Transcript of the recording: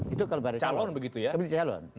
itu kepada calon begitu ya